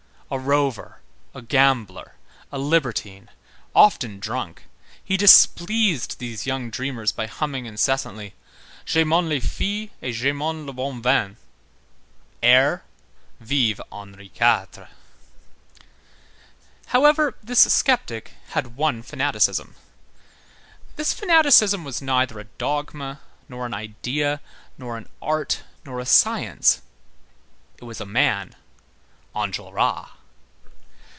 A rover, a gambler, a libertine, often drunk, he displeased these young dreamers by humming incessantly: "J'aimons les filles, et j'aimons le bon vin." Air: Vive Henri IV. However, this sceptic had one fanaticism. This fanaticism was neither a dogma, nor an idea, nor an art, nor a science; it was a man: Enjolras.